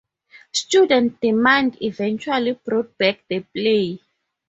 Student demand eventually brought back the play.